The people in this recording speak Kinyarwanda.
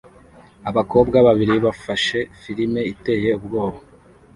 abakobwa babiri bafashe firime iteye ubwoba